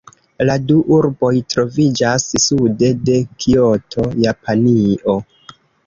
La du urboj troviĝas sude de Kioto, Japanio.